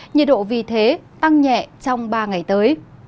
nhiệt độ vì thế tăng nhẹ trong ba ngày tới